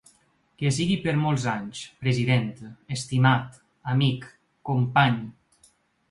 Que sigui per molts anys, president, estimat, amic, company.